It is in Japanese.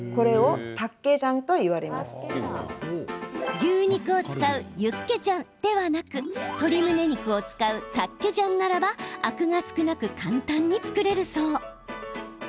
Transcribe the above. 牛肉を使うユッケジャンではなく鶏むね肉を使うタッケジャンならばアクが少なく簡単に作れるそう。